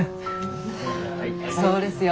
そうですよ。